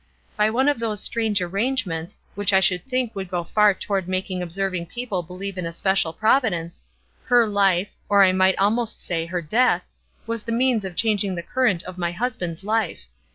By one of those strange arrangements, which I should think would go far toward making observing people believe in a special Providence, her life, or I might almost say her death, was the means of changing the current of my husband's life.